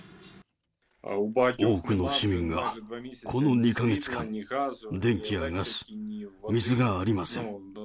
多くの市民がこの２か月間、電気やガス、水がありません。